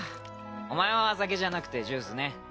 お前は酒じゃなくてジュースね。